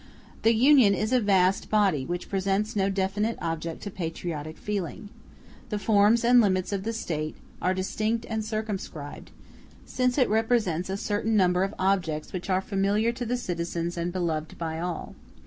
The Union is a vast body which presents no definite object to patriotic feeling. The forms and limits of the State are distinct and circumscribed; since it represents a certain number of objects which are familiar to the citizens and beloved by all.